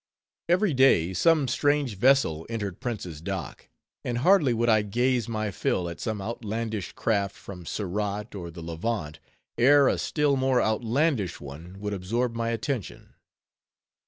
Every day, some strange vessel entered Prince's Dock; and hardly would I gaze my fill at some outlandish craft from Surat or the Levant, ere a still more outlandish one would absorb my attention.